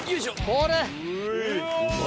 これ！